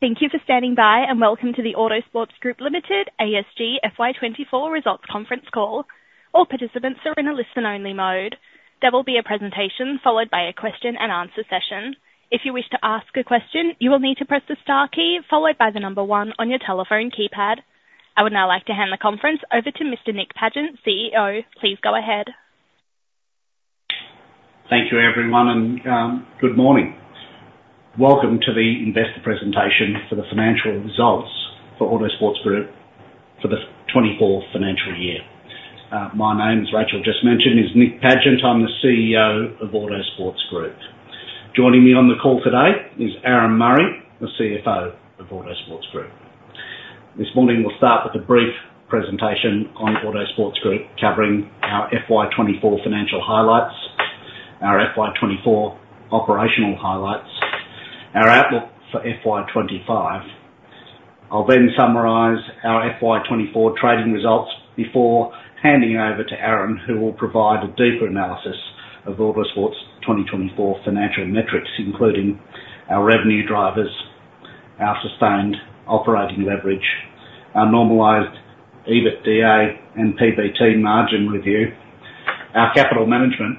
Thank you for standing by, and welcome to the Autosports Group Limited, ASG, FY twenty-four Results Conference Call. All participants are in a listen-only mode. There will be a presentation followed by a question and answer session. If you wish to ask a question, you will need to press the * key followed by the number one on your telephone keypad. I would now like to hand the conference over to Mr. Nick Pagent, CEO. Please go ahead. Thank you, everyone, and good morning. Welcome to the investor presentation for the financial results for Autosports Group for the twenty-fourth financial year. My name, as Rachel just mentioned, is Nick Pagent. I'm the CEO of Autosports Group. Joining me on the call today is Aaron Murray, the CFO of Autosports Group. This morning, we'll start with a brief presentation on Autosports Group, covering our FY twenty-four financial highlights, our FY twenty-four operational highlights, our outlook for FY twenty-five. I'll then summarize our FY twenty-four trading results before handing over to Aaron, who will provide a deeper analysis of Autosports' twenty twenty-four financial metrics, including our revenue drivers, our sustained operating leverage, our normalized EBITDA and PBT margin review, our capital management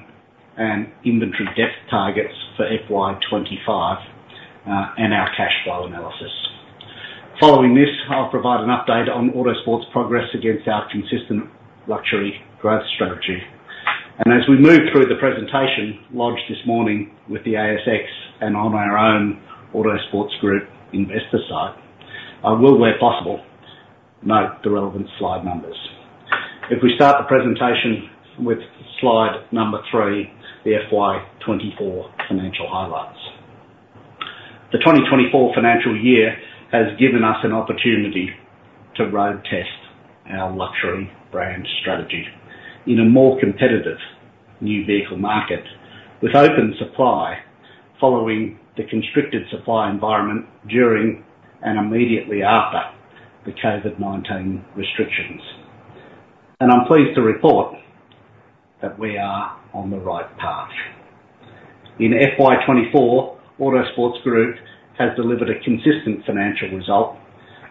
and inventory depth targets for FY twenty-five, and our cash flow analysis. Following this, I'll provide an update on Autosports' progress against our consistent luxury growth strategy. And as we move through the presentation lodged this morning with the ASX and on our own Autosports Group investor site, I will, where possible, note the relevant slide numbers. If we start the presentation with slide number three, the FY twenty-four financial highlights. The twenty twenty-four financial year has given us an opportunity to road test our luxury brand strategy in a more competitive new vehicle market, with open supply following the constricted supply environment during and immediately after the COVID-19 restrictions. And I'm pleased to report that we are on the right path. In FY twenty-four, Autosports Group has delivered a consistent financial result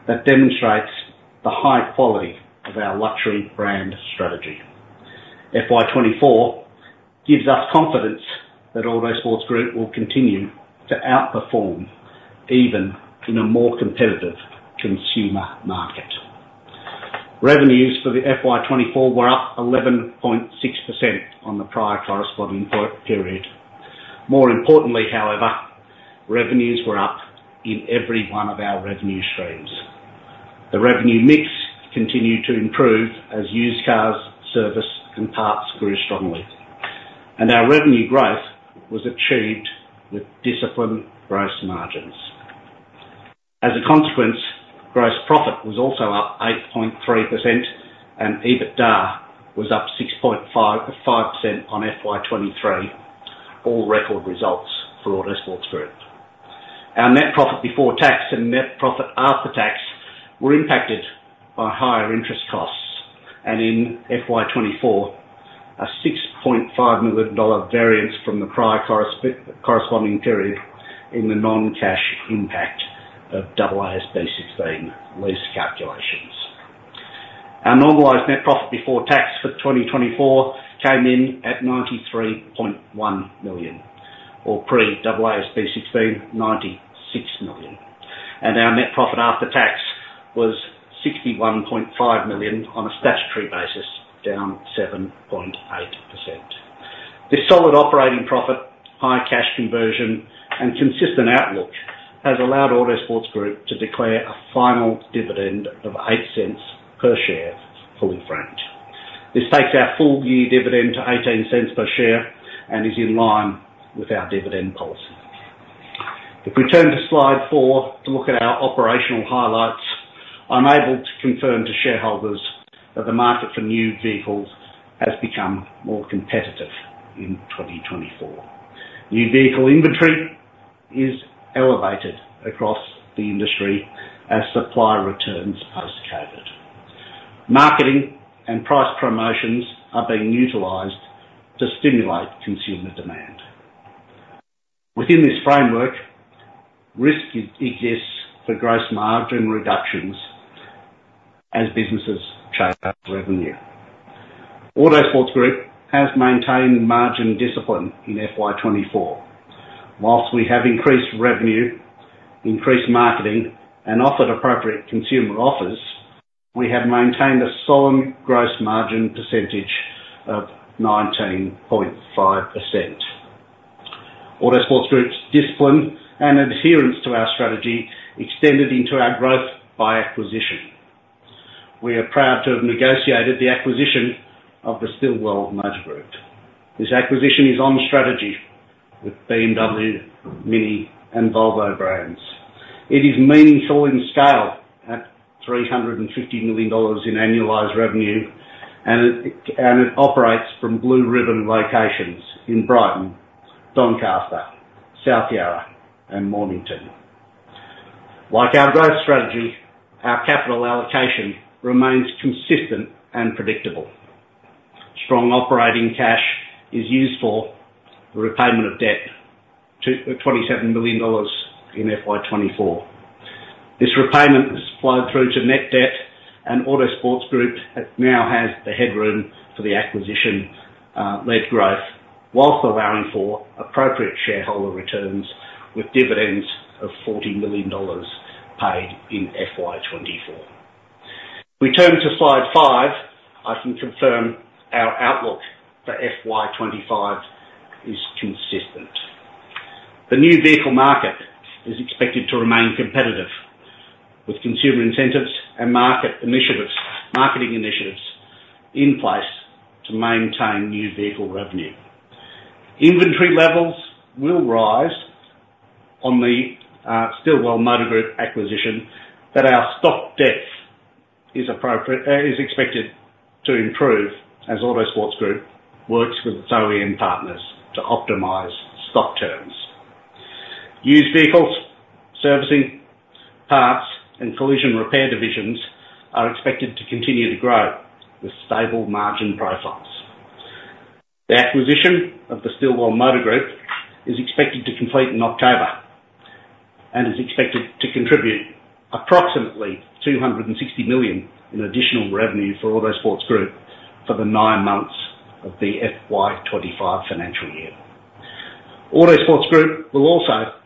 that demonstrates the high quality of our luxury brand strategy. FY 2024 gives us confidence that Autosports Group will continue to outperform even in a more competitive consumer market. Revenues for the FY 2024 were up 11.6% on the prior corresponding period. More importantly, however, revenues were up in every one of our revenue streams. The revenue mix continued to improve as used cars, service, and parts grew strongly, and our revenue growth was achieved with disciplined gross margins. As a consequence, gross profit was also up 8.3%, and EBITDA was up 6.5% on FY 2023. All record results for Autosports Group. Our net profit before tax and net profit after tax were impacted by higher interest costs, and in FY 2024, a 6.5 million dollar variance from the prior corresponding period in the non-cash impact of AASB 16 lease calculations. Our normalized net profit before tax for 2024 came in at 93.1 million, or pre AASB 16, 96 million. And our net profit after tax was 61.5 million on a statutory basis, down 7.8%. This solid operating profit, high cash conversion, and consistent outlook has allowed Autosports Group to declare a final dividend of 0.08 per share, fully franked. This takes our full-year dividend to 0.18 per share and is in line with our dividend policy. If we turn to slide 4 to look at our operational highlights, I'm able to confirm to shareholders that the market for new vehicles has become more competitive in 2024. New vehicle inventory is elevated across the industry as supplier returns post-COVID. Marketing and price promotions are being utilized to stimulate consumer demand. Within this framework, risk exists for gross margin reductions as businesses chase up revenue. Autosports Group has maintained margin discipline in FY twenty-four. While we have increased revenue, increased marketing, and offered appropriate consumer offers, we have maintained a solid gross margin percentage of 19.5%. Autosports Group's discipline and adherence to our strategy extended into our growth by acquisition. We are proud to have negotiated the acquisition of the Stillwell Motor Group. This acquisition is on strategy with BMW, MINI, and Volvo brands. It is meaningful in scale at 350 million dollars in annualized revenue, and it operates from blue ribbon locations in Brighton, Doncaster, South Yarra, and Mornington. Like our growth strategy, our capital allocation remains consistent and predictable. Strong operating cash is used for the repayment of debt, twenty-seven million dollars in FY twenty-four. This repayment has flowed through to net debt, and Autosports Group now has the headroom for the acquisition-led growth, while allowing for appropriate shareholder returns, with dividends of 40 million dollars paid in FY 24. We turn to slide 5. I can confirm our outlook for FY 25 is consistent. The new vehicle market is expected to remain competitive, with consumer incentives and marketing initiatives in place to maintain new vehicle revenue. Inventory levels will rise on the Stillwell Motor Group acquisition, but our stock depth is appropriate, is expected to improve as Autosports Group works with its OEM partners to optimize stock terms. Used vehicles, servicing, parts, and collision repair divisions are expected to continue to grow with stable margin profiles. The acquisition of the Stillwell Motor Group is expected to complete in October and is expected to contribute approximately 260 million in additional revenue for Autosports Group for the nine months of the FY25 financial year. Autosports Group will also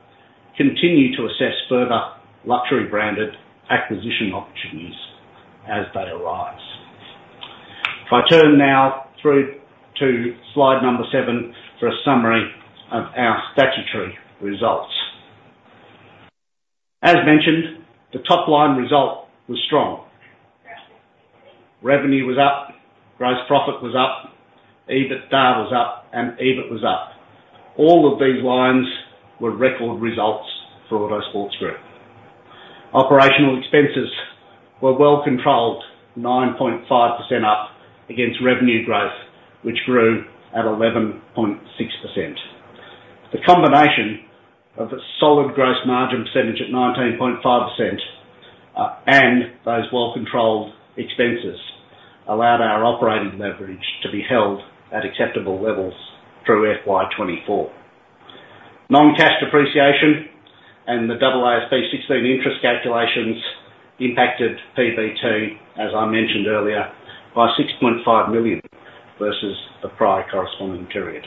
continue to assess further luxury branded acquisition opportunities as they arise. If I turn now through to slide number 7 for a summary of our statutory results. As mentioned, the top-line result was strong. Revenue was up, gross profit was up, EBITDA was up, and EBIT was up. All of these lines were record results for Autosports Group. Operational expenses were well controlled, 9.5% up against revenue growth, which grew at 11.6%. The combination of a solid gross margin percentage at 19.5%, and those well-controlled expenses allowed our operating leverage to be held at acceptable levels through FY 2024. Non-cash depreciation and the AASB 16 interest calculations impacted PBT, as I mentioned earlier, by 6.5 million versus the prior corresponding period.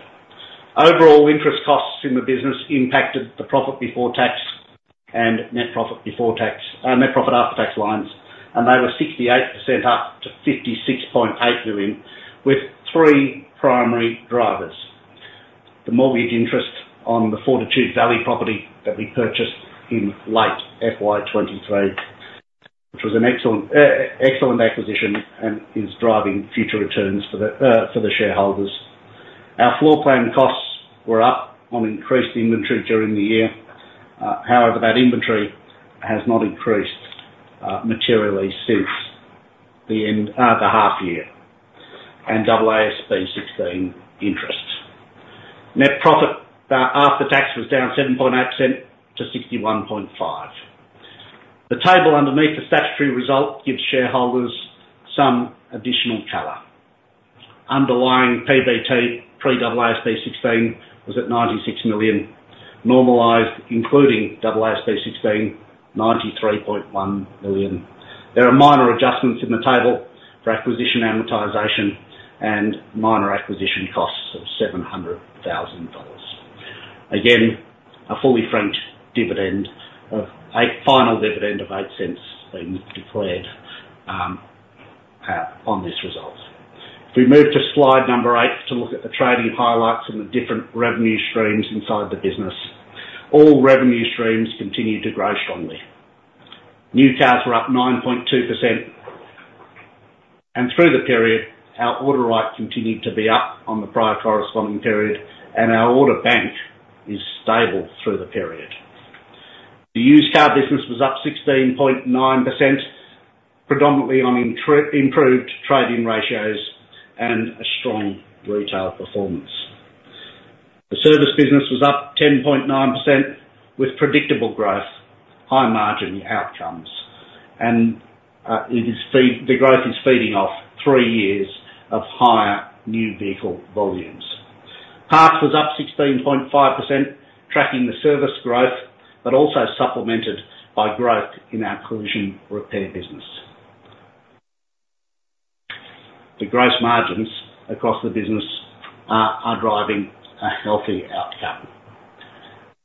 Overall, interest costs in the business impacted the profit before tax and net profit before tax, net profit after tax lines, and they were 68% up to 56.8 million, with three primary drivers. The mortgage interest on the Fortitude Valley property that we purchased in late FY 2023, which was an excellent acquisition and is driving future returns for the shareholders. Our floor plan costs were up on increased inventory during the year. However, that inventory has not increased materially since the end of the half year and AASB 16 interest. Net profit after tax was down 7.8% to 61.5. The table underneath the statutory result gives shareholders some additional color. Underlying PBT, pre-AASB 16, was at 96 million, normalized, including AASB 16, 93.1 million. There are minor adjustments in the table for acquisition amortization and minor acquisition costs of 700,000 dollars. Again, a fully franked final dividend of 0.08 being declared on this result. If we move to slide 8 to look at the trading highlights and the different revenue streams inside the business. All revenue streams continued to grow strongly. New cars were up 9.2%, and through the period, our order write continued to be up on the prior corresponding period, and our order bank is stable through the period. The used car business was up 16.9%, predominantly on improved trading ratios and a strong retail performance. The service business was up 10.9%, with predictable growth, high-margin outcomes, and the growth is feeding off three years of higher new vehicle volumes. Parts was up 16.5%, tracking the service growth, but also supplemented by growth in our collision repair business. The gross margins across the business are driving a healthy outcome.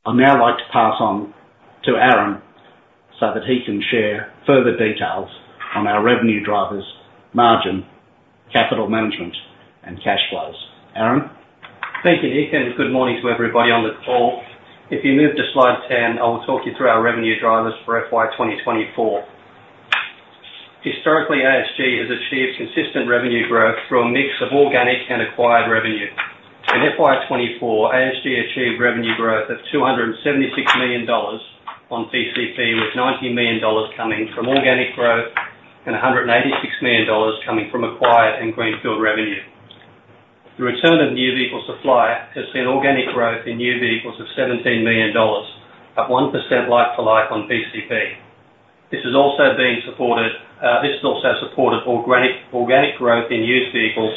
I'd now like to pass on to Aaron, so that he can share further details on our revenue drivers, margin, capital management, and cash flows. Aaron? Thank you, Nick, and good morning to everybody on the call. If you move to slide 10, I will talk you through our revenue drivers for FY 2024. Historically, ASG has achieved consistent revenue growth through a mix of organic and acquired revenue. In FY 2024, ASG achieved revenue growth of 276 million dollars on PCP, with 90 million dollars coming from organic growth and 186 million dollars coming from acquired and greenfield revenue. The return of new vehicle supply has seen organic growth in new vehicles of 17 million dollars, at 1% like-for-like on PCP. This has also supported organic growth in used vehicles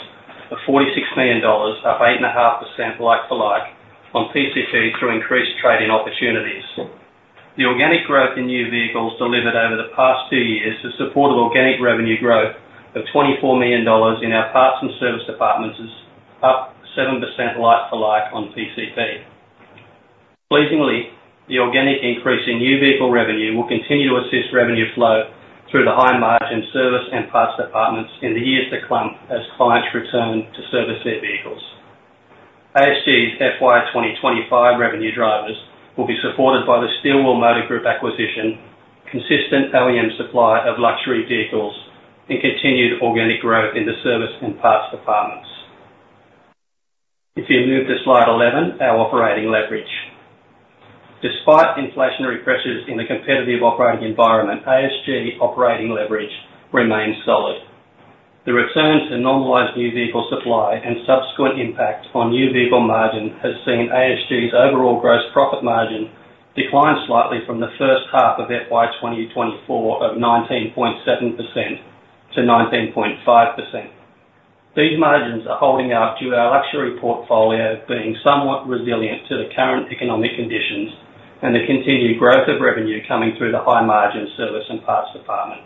of 46 million dollars, up 8.5% like for like, on PCP through increased trading opportunities. The organic growth in new vehicles delivered over the past two years has supported organic revenue growth of 24 million dollars in our parts and service departments, is up 7% like for like on PCP. Pleasingly, the organic increase in new vehicle revenue will continue to assist revenue flow through the high-margin service and parts departments in the years to come as clients return to service their vehicles. ASG's FY 2025 revenue drivers will be supported by the Stillwell Motor Group acquisition, consistent OEM supply of luxury vehicles, and continued organic growth in the service and parts departments. If you move to slide 11, our operating leverage. Despite inflationary pressures in the competitive operating environment, ASG operating leverage remains solid. The return to normalized new vehicle supply and subsequent impact on new vehicle margin has seen ASG's overall gross profit margin decline slightly from the first half of FY 2024 of 19.7% to 19.5%. These margins are holding up due to our luxury portfolio being somewhat resilient to the current economic conditions, and the continued growth of revenue coming through the high-margin service and parts department.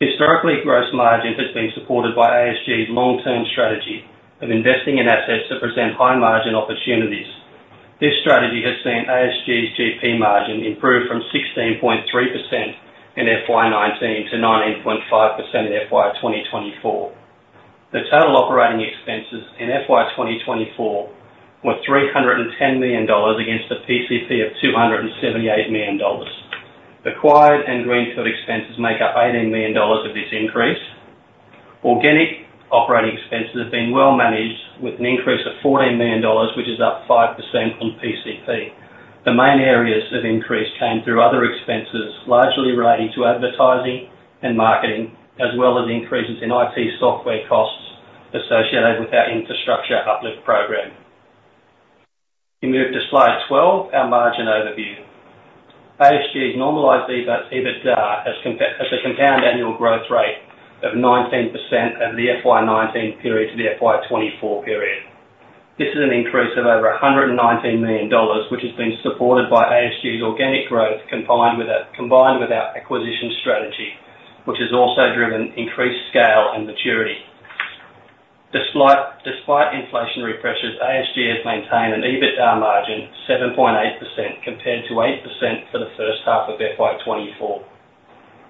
Historically, gross margin has been supported by ASG's long-term strategy of investing in assets that present high-margin opportunities. This strategy has seen ASG's GP margin improve from 16.3% in FY 2019 to 19.5% in FY 2024. The total operating expenses in FY 2024 were 310 million dollars, against a PCP of 278 million dollars. Acquired and greenfield expenses make up 18 million dollars of this increase. Organic operating expenses have been well managed, with an increase of 14 million dollars, which is up 5% from PCP. The main areas of increase came through other expenses, largely related to advertising and marketing, as well as increases in IT software costs associated with our infrastructure uplift program. We move to slide 12, our margin overview. ASG's normalized EBITDA has compounded at a compound annual growth rate of 19% over the FY 2019 period to the FY 2024 period. This is an increase of over 119 million dollars, which has been supported by ASG's organic growth, combined with our acquisition strategy, which has also driven increased scale and maturity. Despite inflationary pressures, ASG has maintained an EBITDA margin of 7.8%, compared to 8% for the first half of FY 2024.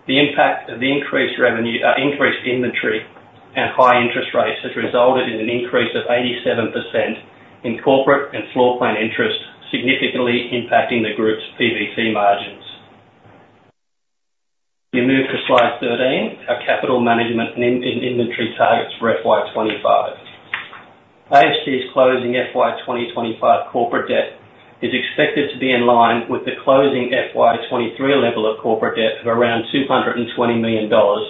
The impact of the increased revenue, increased inventory and high interest rates, has resulted in an increase of 87% in corporate and floor plan interest, significantly impacting the group's PBT margins. We move to slide 13, our capital management and inventory targets for FY 2025. ASG's closing FY 2025 corporate debt is expected to be in line with the closing FY 2023 level of corporate debt of around 220 million dollars,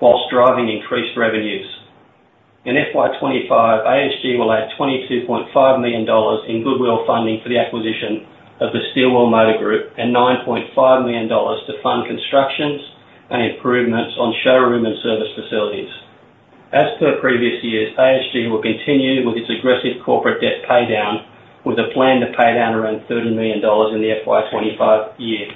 while driving increased revenues. In FY 2025, ASG will add 22.5 million dollars in goodwill funding for the acquisition of the Stillwell Motor Group and 9.5 million dollars to fund constructions and improvements on showroom and service facilities. As per previous years, ASG will continue with its aggressive corporate debt paydown, with a plan to pay down around 30 million dollars in the FY 2025 year.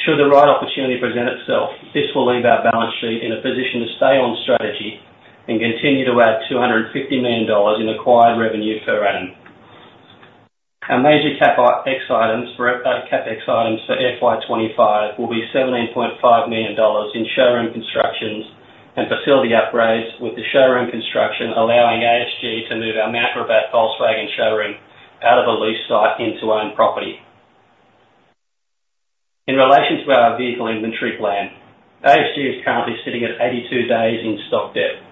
Should the right opportunity present itself, this will leave our balance sheet in a position to stay on strategy and continue to add 250 million dollars in acquired revenue per annum. Our major CapEx items for FY 2025 will be 17.5 million dollars in showroom constructions and facility upgrades, with the showroom construction allowing ASG to move our Mount Gravatt Volkswagen showroom out of a lease site into owned property. In relation to our vehicle inventory plan, ASG is currently sitting at 82 days in stock depth,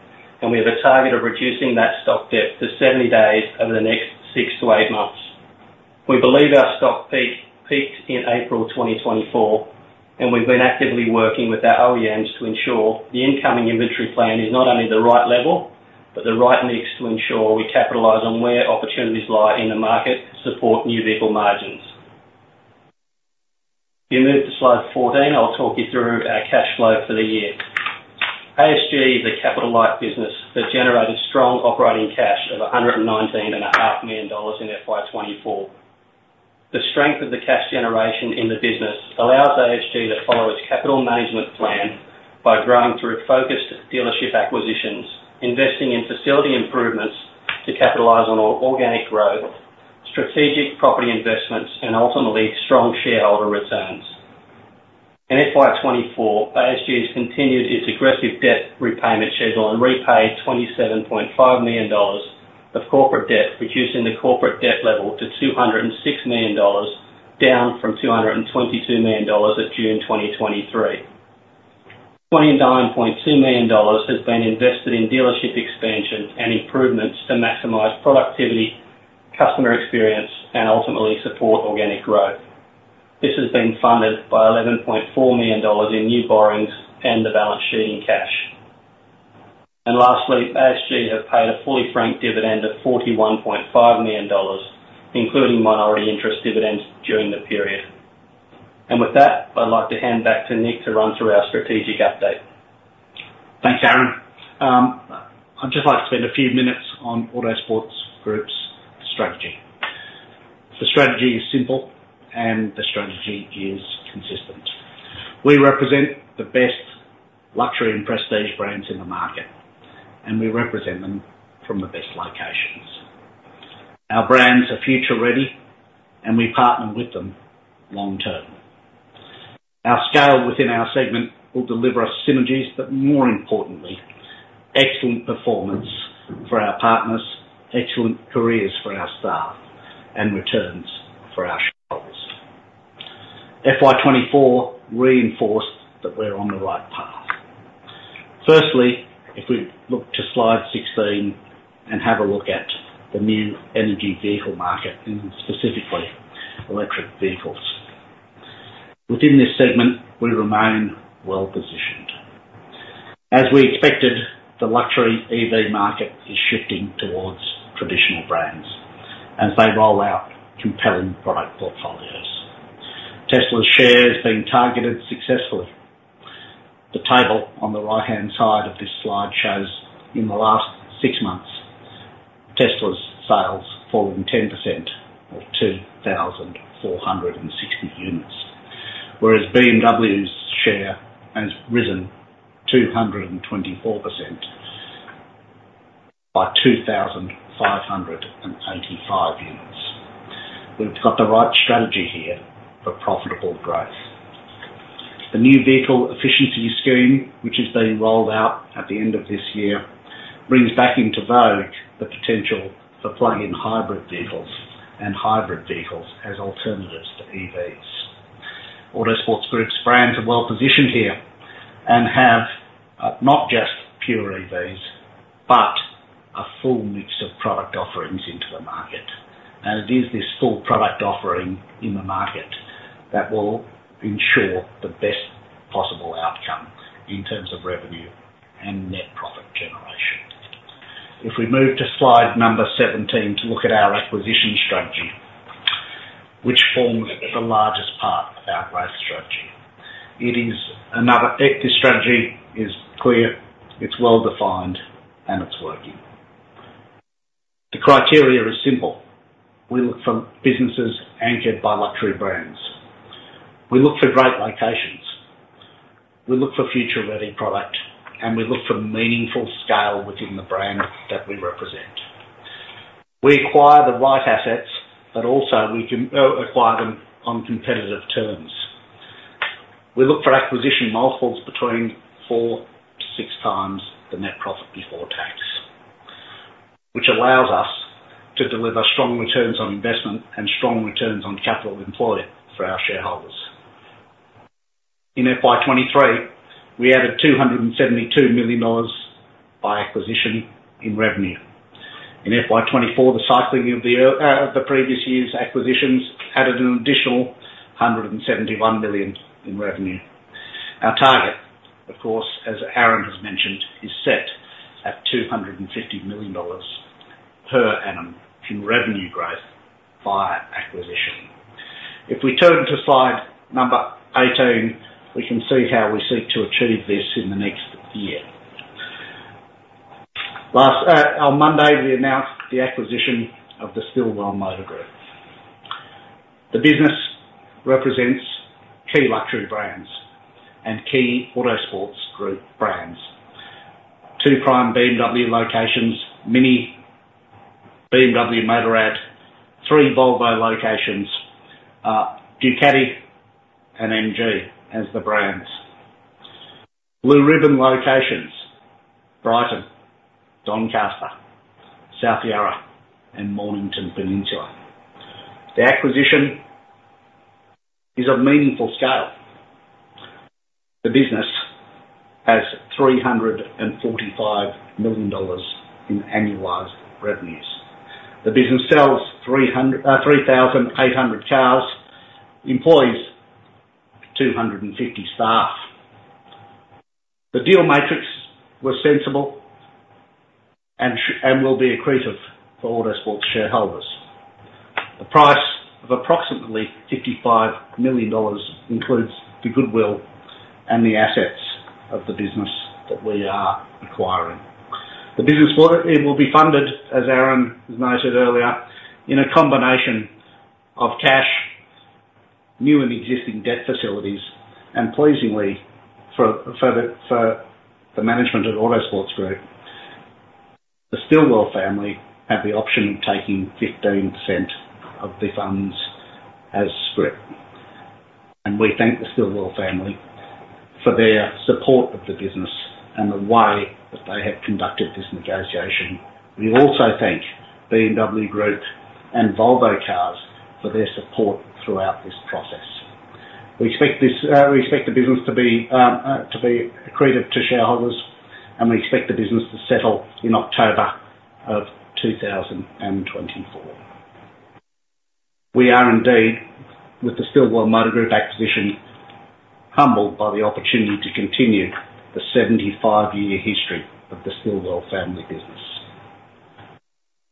and we have a target of reducing that stock depth to 70 days over the next 6-8 months. We believe our stock peak peaked in April 2024, and we've been actively working with our OEMs to ensure the incoming inventory plan is not only the right level, but the right mix to ensure we capitalize on where opportunities lie in the market to support new vehicle margins. If you move to slide fourteen, I'll talk you through our cash flow for the year. ASG is a capital-light business that generated strong operating cash of 119.5 million dollars in FY 2024. The strength of the cash generation in the business allows ASG to follow its capital management plan by growing through focused dealership acquisitions, investing in facility improvements to capitalize on organic growth, strategic property investments, and ultimately, strong shareholder returns. In FY 2024, ASG has continued its aggressive debt repayment schedule and repaid $27.5 million of corporate debt, reducing the corporate debt level to $206 million, down from $222 million at June 2023. $29.2 million has been invested in dealership expansions and improvements to maximize productivity, customer experience, and ultimately support organic growth. This has been funded by $11.4 million in new borrowings and cash on the balance sheet. Lastly, ASG have paid a fully franked dividend of $41.5 million, including minority interest dividends during the period. With that, I'd like to hand back to Nick to run through our strategic update. Thanks, Aaron. I'd just like to spend a few minutes on Autosports Group's strategy. The strategy is simple and the strategy is consistent. We represent the best luxury and prestige brands in the market, and we represent them from the best locations. Our brands are future-ready, and we partner with them long term. Our scale within our segment will deliver us synergies, but more importantly, excellent performance for our partners, excellent careers for our staff, and returns for our shareholders. FY24 reinforced that we're on the right path. Firstly, if we look to slide 16 and have a look at the new energy vehicle market, and specifically electric vehicles. Within this segment, we remain well positioned. As we expected, the luxury EV market is shifting towards traditional brands as they roll out compelling product portfolios. Tesla's share has been targeted successfully. The table on the right-hand side of this slide shows in the last six months, Tesla's sales fallen 10% or 2,460 units, whereas BMW's share has risen 224% by 2,585 units. We've got the right strategy here for profitable growth. The New Vehicle Efficiency Scheme, which is being rolled out at the end of this year, brings back into vogue the potential for plug-in hybrid vehicles and hybrid vehicles as alternatives to EVs. Autosports Group's brands are well positioned here and have not just pure EVs, but a full mix of product offerings into the market. It is this full product offering in the market that will ensure the best possible outcome in terms of revenue and net profit generation. If we move to slide number 17 to look at our acquisition strategy, which forms the largest part of our growth strategy. This strategy is clear, it's well-defined, and it's working. The criteria is simple. We look for businesses anchored by luxury brands. We look for great locations, we look for future-ready product, and we look for meaningful scale within the brand that we represent. We acquire the right assets, but also we can acquire them on competitive terms. We look for acquisition multiples between 4-6 times the net profit before tax, which allows us to deliver strong returns on investment and strong returns on capital employed for our shareholders. In FY 2023, we added 272 million dollars by acquisition in revenue. In FY24, the cycling of the year, the previous year's acquisitions added an additional 171 million in revenue. Our target, of course, as Aaron has mentioned, is set at 250 million dollars per annum in revenue growth via acquisition. If we turn to slide 18, we can see how we seek to achieve this in the next year. Last Monday, we announced the acquisition of the Stillwell Motor Group. The business represents key luxury brands and key Autosports Group brands. Two prime BMW locations, MINI, BMW Motorrad, three Volvo locations, Ducati, and MG as the brands. Blue ribbon locations, Brighton, Doncaster, South Yarra, and Mornington Peninsula. The acquisition is of meaningful scale. The business has 345 million dollars in annualized revenues. The business sells 3,800 cars, employs 250 staff. The deal matrix was sensible and will be accretive for Autosports shareholders. The price of approximately 55 million dollars includes the goodwill and the assets of the business that we are acquiring. The business will be funded, as Aaron noted earlier, in a combination of cash, new and existing debt facilities, and pleasingly, for the management of Autosports Group, the Stillwell family have the option of taking 15% of the funds as scrip. We thank the Stillwell family for their support of the business and the way that they have conducted this negotiation. We also thank BMW Group and Volvo Cars for their support throughout this process. We expect the business to be accretive to shareholders, and we expect the business to settle in October of two thousand and twenty-four. We are indeed, with the Stillwell Motor Group acquisition, humbled by the opportunity to continue the seventy-five-year history of the Stillwell family business.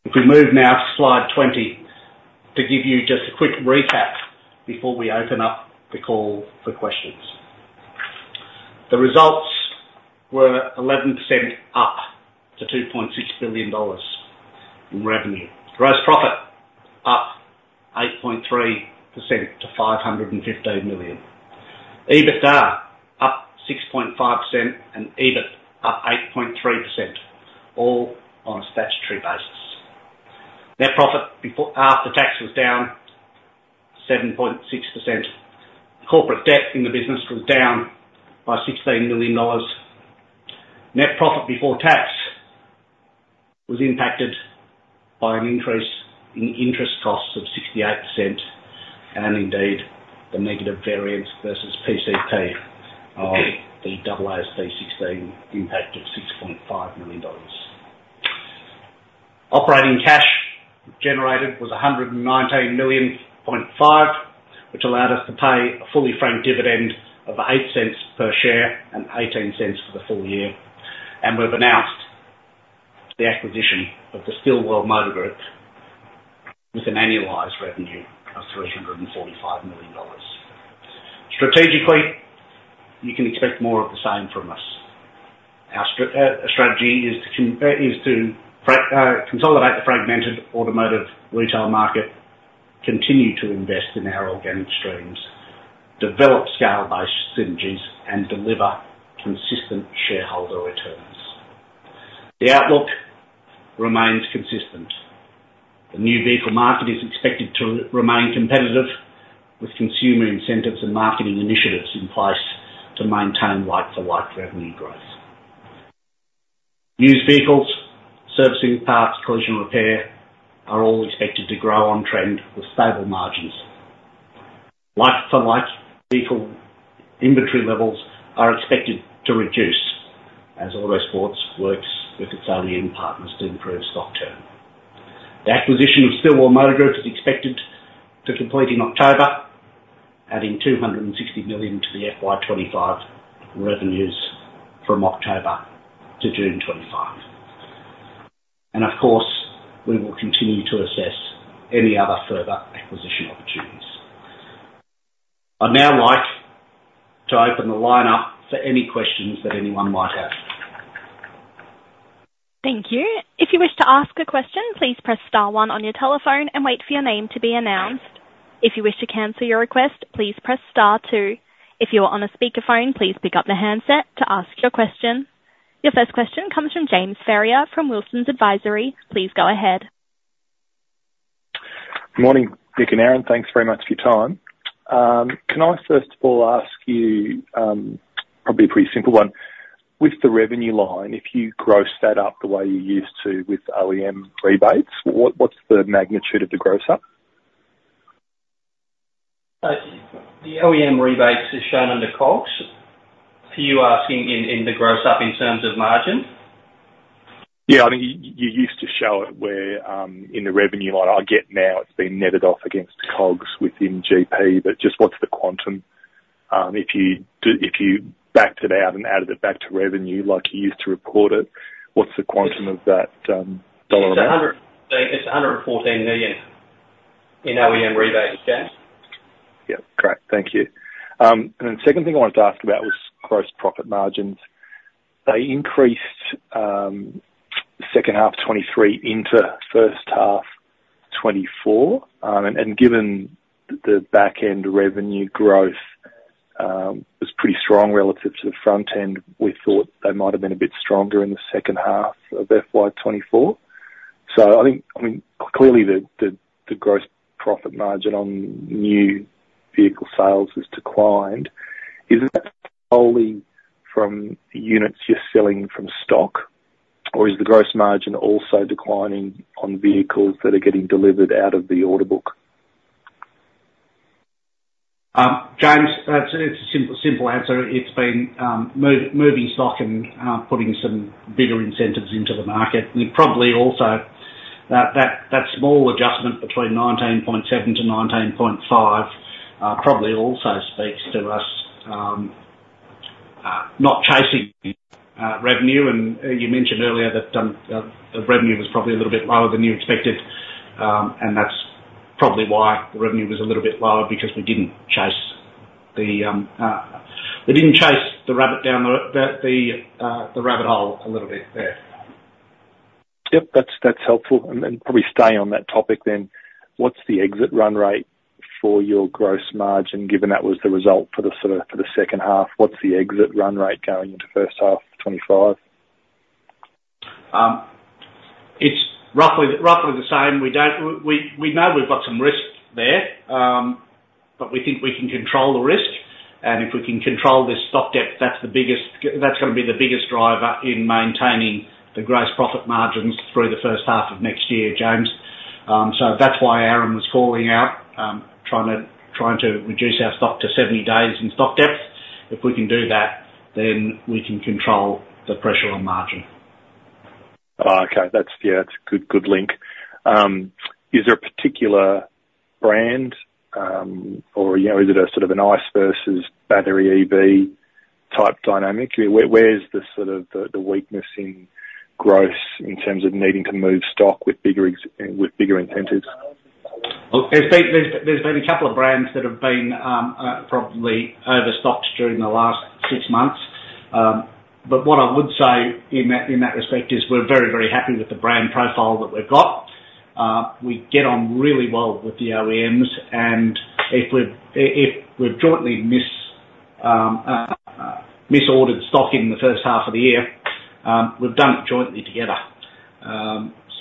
If we move now to slide 20, to give you just a quick recap before we open up the call for questions. The results were 11% up to 2.6 billion dollars in revenue. Gross profit, up 8.3% to 515 million. EBITDA, up 6.5%, and EBIT, up 8.3%, all on a statutory basis. Net profit after tax was down 7.6%. Corporate debt in the business was down by 16 million dollars. Net profit before tax was impacted by an increase in interest costs of 68%, and indeed, the negative variance versus PCP on the AASB 16 impact of 6.5 million dollars. Operating cash generated was 119.5 million, which allowed us to pay a fully franked dividend of 8 cents per share and 18 cents for the full year. We've announced the acquisition of the Stillwell Motor Group with an annualized revenue of 345 million dollars. Strategically, you can expect more of the same from us. Our strategy is to consolidate the fragmented automotive retail market, continue to invest in our organic streams, develop scale-based synergies, and deliver consistent shareholder returns. The outlook remains consistent. The new vehicle market is expected to remain competitive, with consumer incentives and marketing initiatives in place to maintain like-for-like revenue growth. Used vehicles, servicing parts, collision repair, are all expected to grow on trend with stable margins. Like-for-like vehicle inventory levels are expected to reduce as Autosports works with its OEM partners to improve stock turn. The acquisition of Stillwell Motor Group is expected to complete in October, adding 260 million to the FY25 revenues from October to June 2025. Of course, we will continue to assess any other further acquisition opportunities. I'd now like to open the line up for any questions that anyone might have. Thank you. If you wish to ask a question, please press * one on your telephone and wait for your name to be announced. If you wish to cancel your request, please press * two. If you are on a speakerphone, please pick up the handset to ask your question. Your first question comes from James Ferrier from Wilsons Advisory. Please go ahead. Good morning, Nick and Aaron. Thanks very much for your time. Can I first of all ask you, probably a pretty simple one: With the revenue line, if you gross that up the way you used to with OEM rebates, what's the magnitude of the gross up? The OEM rebates is shown under COGS. Are you asking in the gross up in terms of margin? Yeah, I mean, you used to show it where in the revenue line. I get now it's been netted off against COGS within GP, but just what's the quantum, if you backed it out and added it back to revenue like you used to report it, what's the quantum of that dollar amount? It's 114 million in OEM rebates, James. Yeah. Great. Thank you, and then the second thing I wanted to ask about was gross profit margins. They increased, second half 2023 into first half 2024. And given the back-end revenue growth was pretty strong relative to the front end, we thought they might have been a bit stronger in the second half of FY 2024. So I think, I mean, clearly the gross profit margin on new vehicle sales has declined. Is that solely from units you're selling from stock, or is the gross margin also declining on vehicles that are getting delivered out of the order book? James, that's a simple, simple answer. It's been moving stock and putting some bigger incentives into the market. And probably also that small adjustment between 19.7 to 19.5 probably also speaks to us not chasing revenue. And you mentioned earlier that the revenue was probably a little bit lower than you expected. And that's probably why the revenue was a little bit lower, because we didn't chase the rabbit down the rabbit hole a little bit there. Yep, that's, that's helpful. And then probably stay on that topic then. What's the exit run rate for your gross margin, given that was the result for the sort of, for the second half, what's the exit run rate going into first half of 2025? It's roughly, roughly the same. We don't, we know we've got some risk there, but we think we can control the risk, and if we can control this stock depth, that's the biggest, that's gonna be the biggest driver in maintaining the gross profit margins through the first half of next year, James. So that's why Aaron was calling out, trying to reduce our stock to seventy days in stock depth. If we can do that, then we can control the pressure on margin.... Oh, okay. That's, yeah, it's a good, good link. Is there a particular brand, or, you know, is it a sort of an ICE versus battery EV type dynamic? Where is the sort of weakness in growth in terms of needing to move stock with bigger incentives? There's been a couple of brands that have been probably overstocked during the last six months. But what I would say in that respect is we're very, very happy with the brand profile that we've got. We get on really well with the OEMs, and if we've jointly mis-ordered stock in the first half of the year, we've done it jointly together.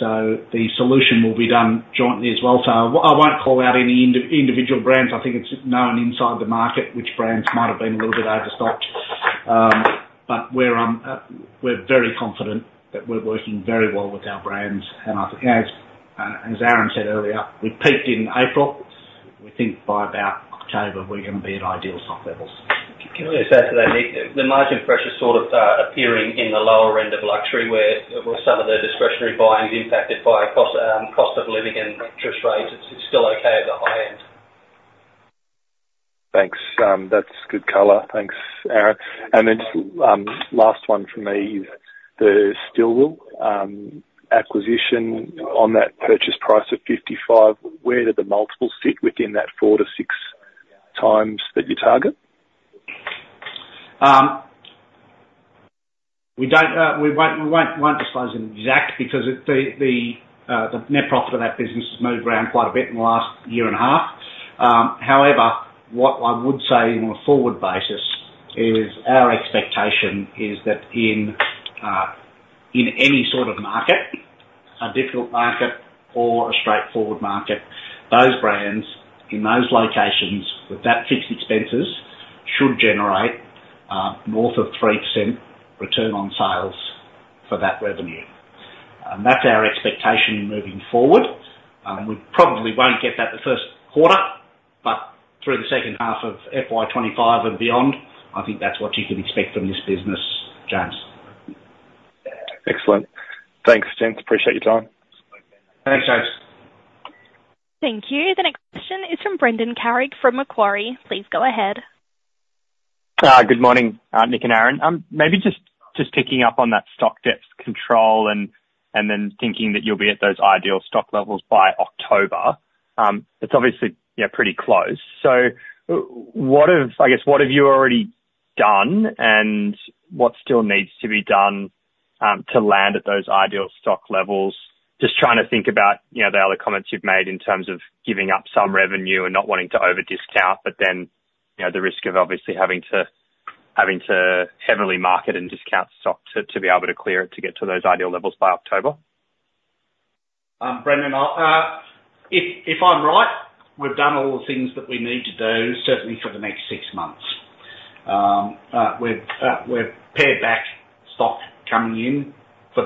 So the solution will be done jointly as well. So I won't call out any individual brands. I think it's known inside the market which brands might have been a little bit overstocked. But we're very confident that we're working very well with our brands. And I think as Aaron said earlier, we peaked in April. We think by about October, we're gonna be at ideal stock levels. Can I just add to that, Nick? The margin pressure is sort of appearing in the lower end of luxury, where some of the discretionary buying is impacted by cost of living and interest rates. It's still okay at the high end. Thanks. That's good color. Thanks, Aaron. And then, last one from me, the Stillwell acquisition on that purchase price of fifty-five, where did the multiples sit within that four to six times that you target? We don't, we won't disclose an exact because the net profit of that business has moved around quite a bit in the last year and a half. However, what I would say on a forward basis is our expectation is that in any sort of market, a difficult market or a straightforward market, those brands in those locations with that fixed expenses, should generate north of 3% return on sales for that revenue. That's our expectation moving forward. We probably won't get that the first quarter, but through the second half of FY25 and beyond, I think that's what you can expect from this business, James. Excellent. Thanks, gents. Appreciate your time. Thanks, James. Thank you. The next question is from Brendan Carrig, from Macquarie. Please go ahead. Good morning, Nick and Aaron. Maybe just picking up on that stock depth control and then thinking that you'll be at those ideal stock levels by October. It's obviously, yeah, pretty close. So, I guess, what have you already done, and what still needs to be done to land at those ideal stock levels? Just trying to think about, you know, the other comments you've made in terms of giving up some revenue and not wanting to over discount, but then, you know, the risk of obviously having to heavily market and discount stock to be able to clear it, to get to those ideal levels by October. Brendan, I'll, if, if I'm right, we've done all the things that we need to do, certainly for the next six months. We've pared back stock coming in for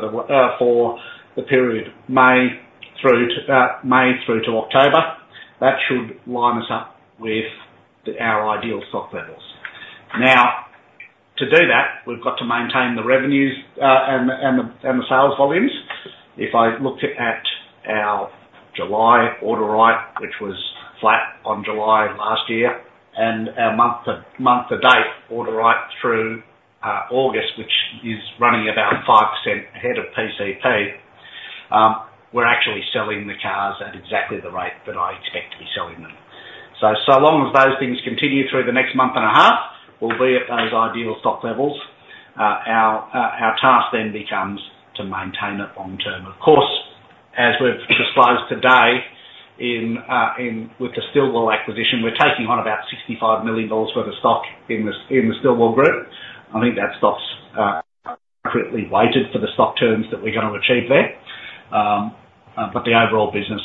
the period May through to May through to October. That should line us up with our ideal stock levels. Now, to do that, we've got to maintain the revenues and the sales volumes. If I looked at our July order intake, which was flat on July of last year, and our month to date order intake through August, which is running about 5% ahead of PCP, we're actually selling the cars at exactly the rate that I expect to be selling them. So long as those things continue through the next month and a half, we'll be at those ideal stock levels. Our task then becomes to maintain it long term. Of course, as we've disclosed today, in with the Stillwell acquisition, we're taking on about 65 million dollars worth of stock in the Stillwell group. I think that stock's appropriately weighted for the stock terms that we're gonna achieve there. But the overall business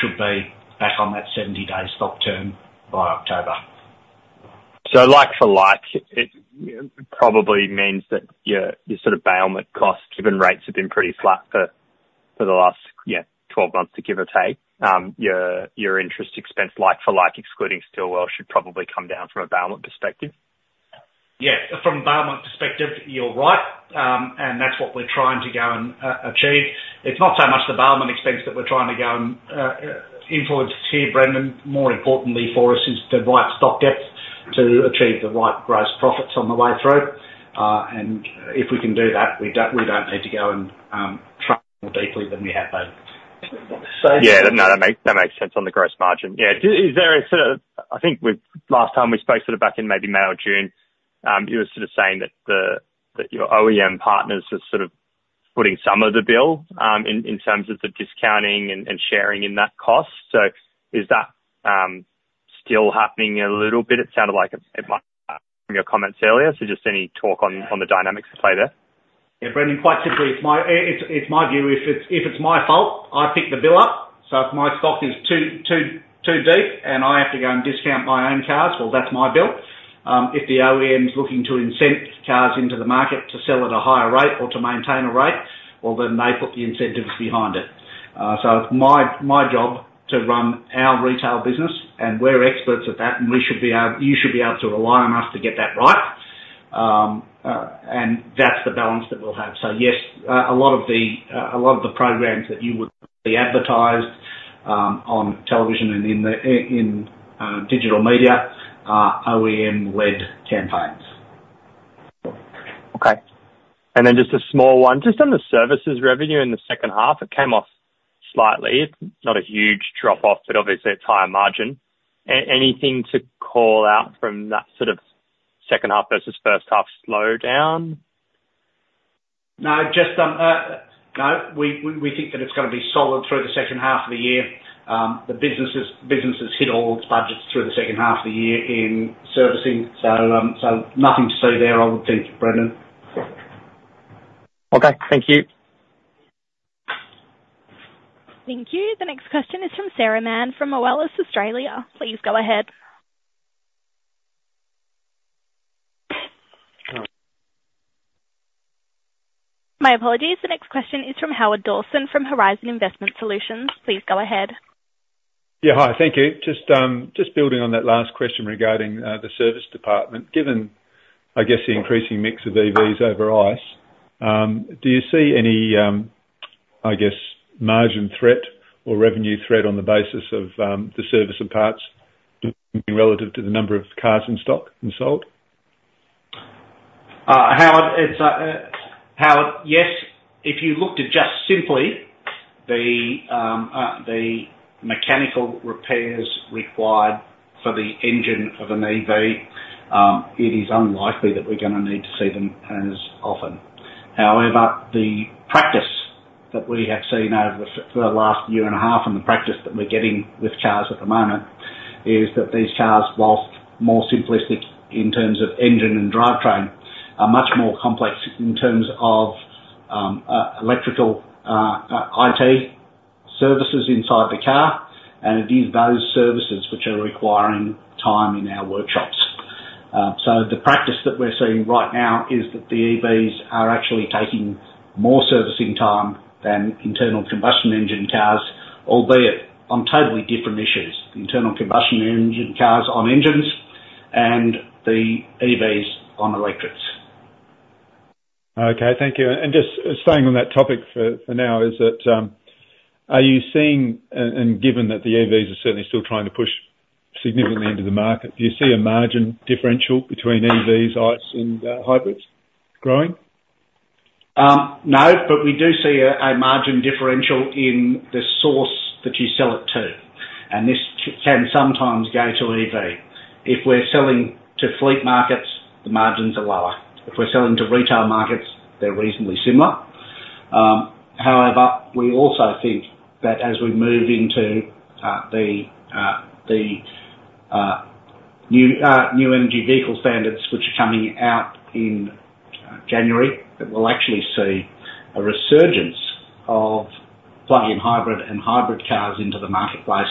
should be back on that 70-day stock term by October. So like for like, it probably means that your sort of bailment costs, given rates have been pretty flat for the last twelve months, give or take, your interest expense, like for like, excluding Stillwell, should probably come down from a bailment perspective? Yeah. From a bailment perspective, you're right, and that's what we're trying to go and achieve. It's not so much the bailment expense that we're trying to go and influence here, Brendan. More importantly for us is the right stock depth to achieve the right gross profits on the way through. And if we can do that, we don't, we don't need to go and track more deeply than we have been. So- Yeah. No, that makes, that makes sense on the gross margin. Yeah. Is there a sort of...? I think last time we spoke, sort of back in maybe May or June, you were sort of saying that the, that your OEM partners are sort of footing some of the bill, in, in terms of the discounting and, and sharing in that cost. So is that still happening a little bit? It sounded like it, it might, from your comments earlier. So just any talk on, on the dynamics at play there? Yeah, Brendan, quite simply, it's my view if it's my fault, I pick the bill up. So if my stock is too deep and I have to go and discount my own cars, well, that's my bill. If the OEM's looking to incent cars into the market to sell at a higher rate or to maintain a rate, well, then they put the incentives behind it. So it's my job to run our retail business, and we're experts at that, and we should be able, you should be able to rely on us to get that right. And that's the balance that we'll have. So yes, a lot of the programs that you would be advertised on television and in digital media are OEM-led campaigns. Okay. And then just a small one. Just on the services revenue in the second half, it came off slightly. Not a huge drop off, but obviously it's higher margin. Anything to call out from that sort of second half versus first half slowdown? No, just. No, we think that it's gonna be solid through the second half of the year. The business hit all its budgets through the second half of the year in servicing, so, so nothing to see there, I would think, Brendan. Okay, thank you. Thank you. The next question is from Sarah Mann, from Moelis Australia. Please go ahead. My apologies. The next question is from Howard Dawson, from Horizon Investment Solutions. Please go ahead. Yeah. Hi, thank you. Just, just building on that last question regarding the service department. Given, I guess, the increasing mix of EVs over ICE, do you see any, I guess, margin threat or revenue threat on the basis of the service and parts relative to the number of cars in stock and sold? Howard, yes, if you looked at just simply the mechanical repairs required for the engine of an EV, it is unlikely that we're gonna need to see them as often. However, the practice that we have seen over the for the last year and a half, and the practice that we're getting with cars at the moment, is that these cars, whilst more simplistic in terms of engine and drivetrain, are much more complex in terms of electrical IT services inside the car, and it is those services which are requiring time in our workshops. So the practice that we're seeing right now is that the EVs are actually taking more servicing time than internal combustion engine cars, albeit on totally different issues. Internal combustion engine cars on engines, and the EVs on electrics. Okay. Thank you, and just staying on that topic for now, are you seeing, and given that the EVs are certainly still trying to push significantly into the market, do you see a margin differential between EVs, ICE and hybrids growing? No, but we do see a margin differential in the source that you sell it to, and this can sometimes go to EV. If we're selling to fleet markets, the margins are lower. If we're selling to retail markets, they're reasonably similar. However, we also think that as we move into the new vehicle efficiency standards, which are coming out in January, that we'll actually see a resurgence of plug-in hybrid and hybrid cars into the marketplace,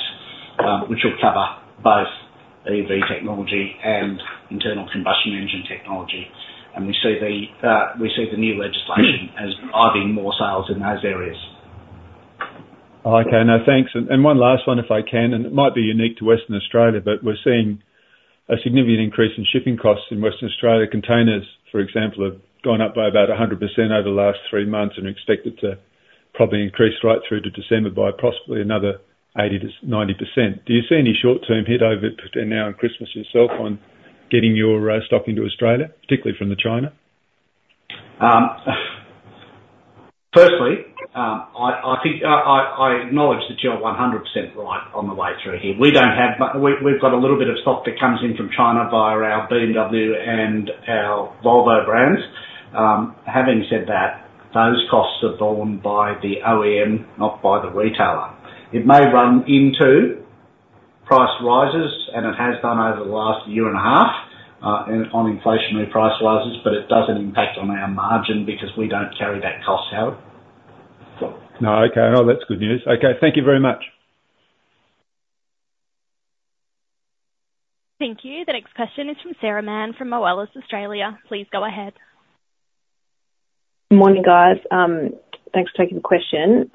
which will cover both EV technology and internal combustion engine technology. And we see the new legislation as driving more sales in those areas. Okay. Now, thanks. And, and one last one, if I can, and it might be unique to Western Australia, but we're seeing a significant increase in shipping costs in Western Australia. Containers, for example, have gone up by about 100% over the last three months and are expected to probably increase right through to December by possibly another 80%-90%. Do you see any short-term hit over, between now and Christmas itself on getting your stock into Australia, particularly from China? Firstly, I think I acknowledge that you are 100% right on the way through here. We've got a little bit of stock that comes in from China via our BMW and our Volvo brands. Having said that, those costs are borne by the OEM, not by the retailer. It may run into price rises, and it has done over the last year and a half, and on inflationary price rises, but it doesn't impact on our margin because we don't carry that cost out. No. Okay. Oh, that's good news. Okay, thank you very much. Thank you. The next question is from Sarah Mann, from Moelis Australia. Please go ahead. Morning, guys. Thanks for taking the question.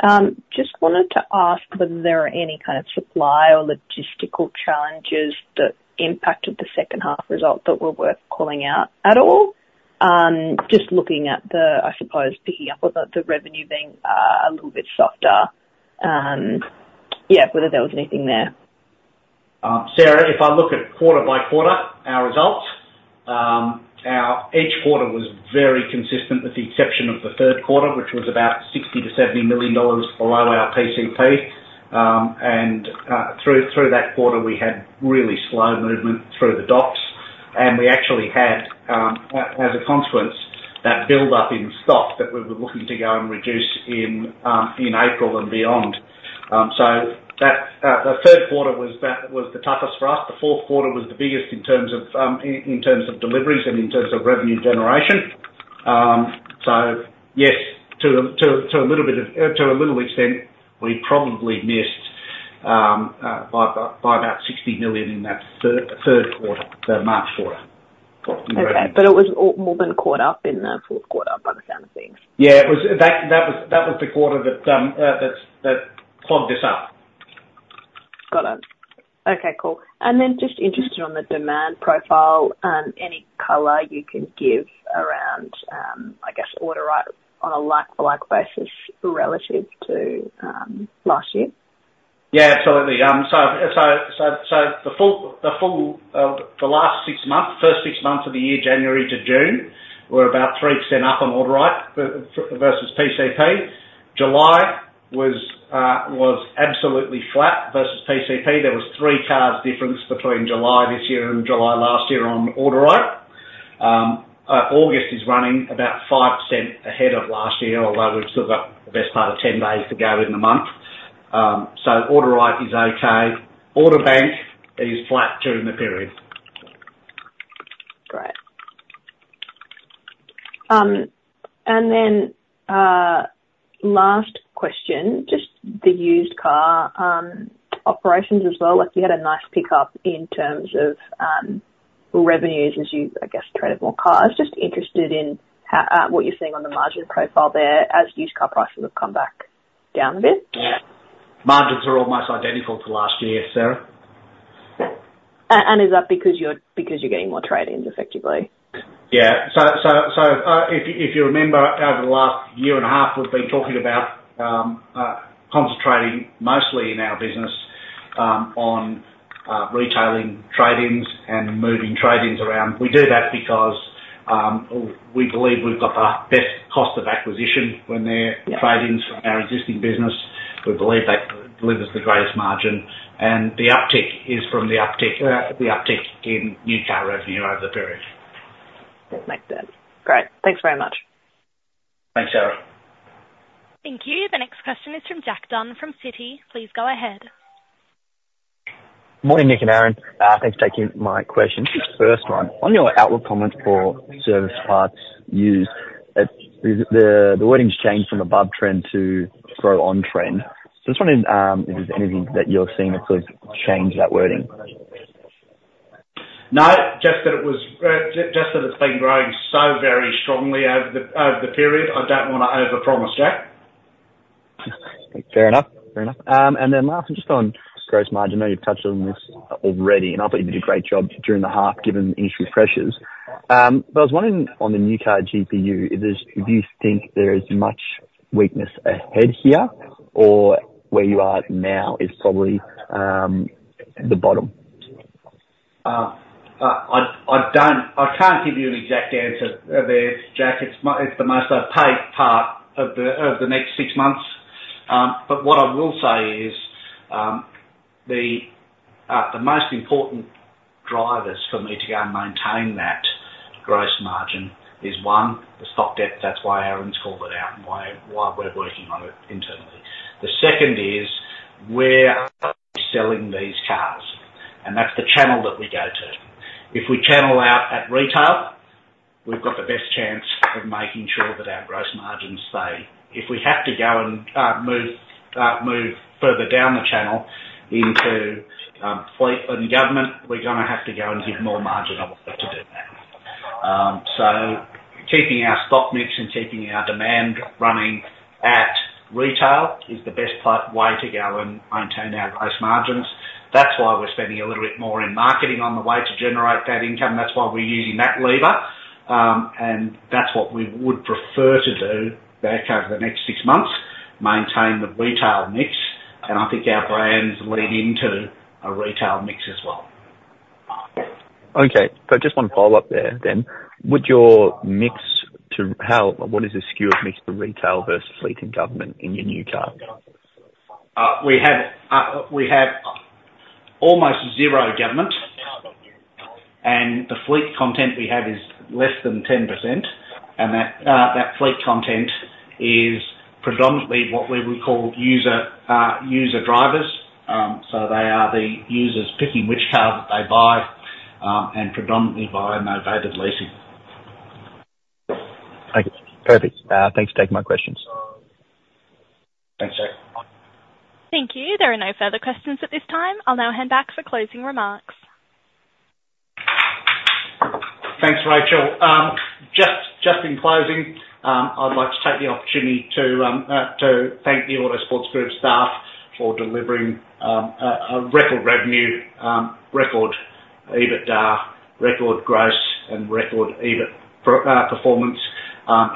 Just wanted to ask whether there are any kind of supply or logistical challenges that impacted the second half result that were worth calling out at all? Just looking at the... I suppose, picking up on the, the revenue being a little bit softer. Yeah, whether there was anything there. Sarah, if I look at quarter by quarter, our results, our each quarter was very consistent with the exception of the third quarter, which was about 60 million-70 million dollars below our PCP. And through that quarter, we had really slow movement through the docks, and we actually had, as a consequence, that buildup in stock that we were looking to go and reduce in April and beyond. So that the third quarter was that was the toughest for us. The fourth quarter was the biggest in terms of deliveries and in terms of revenue generation. So yes, to a little bit of, to a little extent, we probably missed by about 60 million in that third quarter, the March quarter. Okay, but it was all more than caught up in the fourth quarter, by the sound of things? Yeah, it was. That was the quarter that propped this up. Got it. Okay, cool. And then just interested on the demand profile, any color you can give around, I guess, order write, on a like-for-like basis relative to, last year? Yeah, absolutely. So the full, the last six months, first six months of the year, January to June, were about 3% up on order write versus PCP. July was absolutely flat versus PCP. There was three cars difference between July this year and July last year on order write? August is running about 5% ahead of last year, although we've still got the best part of 10 days to go in the month. So order write is okay. Order bank is flat during the period. Great. And then, last question, just the used car operations as well. Like, you had a nice pickup in terms of revenues as you, I guess, traded more cars. Just interested in how, what you're seeing on the margin profile there as used car prices have come back down a bit. Yeah. Margins are almost identical to last year, Sarah. And is that because you're getting more trade-ins, effectively? Yeah. So if you remember over the last year and a half, we've been talking about concentrating mostly in our business on retailing trade-ins and moving trade-ins around. We do that because we believe we've got the best cost of acquisition when they're- Yeah... trade-ins from our existing business. We believe that delivers the greatest margin, and the uptick is from the uptick in used car revenue over the period. Makes sense. Great. Thanks very much. Thanks, Sarah. Thank you. The next question is from Jack Dunn from Citi. Please go ahead. Morning, Nick and Aaron. Thanks for taking my questions. Just first one, on your outlook comments for service parts used, is it the wording's changed from above trend to grow on trend. So I was wondering, if there's anything that you're seeing that could change that wording? No, just that it was just that it's been growing so very strongly over the period. I don't wanna overpromise, Jack. Fair enough. Fair enough. And then lastly, just on gross margin, I know you've touched on this already, and I thought you did a great job during the half given industry pressures. But I was wondering on the new car GPU, do you think there is much weakness ahead here, or where you are now is probably the bottom? I can't give you an exact answer there, Jack. It's the most opaque part of the next six months. But what I will say is, the most important drivers for me to go and maintain that gross margin is, one, the stock depth. That's why Aaron's called it out and why we're working on it internally. The second is, where are we selling these cars? And that's the channel that we go to. If we channel out at retail, we've got the best chance of making sure that our gross margins stay. If we have to go and move further down the channel into fleet and government, we're gonna have to go and give more margin on it to do that. So keeping our stock mix and keeping our demand running at retail is the best way to go and maintain our gross margins. That's why we're spending a little bit more in marketing on the way to generate that income. That's why we're using that lever, and that's what we would prefer to do over the next six months, maintain the retail mix, and I think our brands lead into a retail mix as well. Okay. So just one follow-up there, then. What is the skew of mix for retail versus fleet and government in your new car? We have almost zero government, and the fleet content we have is less than 10%, and that fleet content is predominantly what we would call user drivers. So they are the users picking which car that they buy, and predominantly via novated leasing. Thank you. Perfect. Thanks for taking my questions. Thanks, Jack. Thank you. There are no further questions at this time. I'll now hand back for closing remarks. Thanks, Rachel. Just in closing, I'd like to take the opportunity to thank the Autosports Group staff for delivering a record revenue, record EBITDA, record gross, and record EBIT performance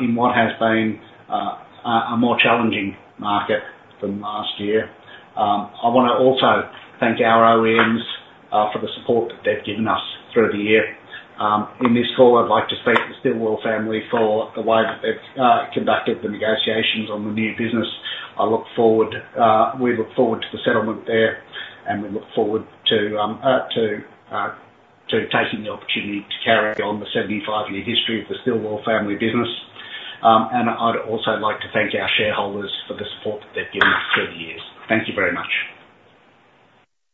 in what has been a more challenging market than last year. I wanna also thank our OEMs for the support that they've given us through the year. In this call, I'd like to thank the Stillwell family for the way that they've conducted the negotiations on the new business. I look forward, we look forward to the settlement there, and we look forward to taking the opportunity to carry on the seventy-five-year history of the Stillwell family business. And I'd also like to thank our shareholders for the support that they've given us through the years. Thank you very much.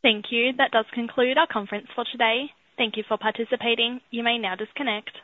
Thank you. That does conclude our conference for today. Thank you for participating. You may now disconnect.